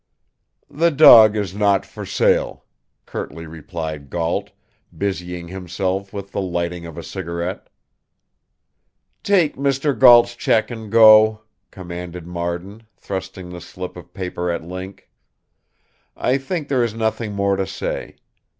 "The dog is not for sale," curtly replied Gault, busying himself with the lighting of a cigarette. "Take Mr. Gault's check and go," commanded Marden, thrusting the slip of paper at Link. "I think there is nothing more to say.